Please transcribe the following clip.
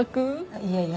いやいや。